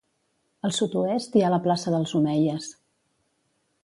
Al sud-oest hi ha la plaça dels Omeies.